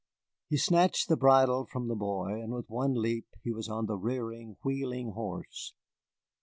He snatched the bridle from the boy, and with one leap he was on the rearing, wheeling horse.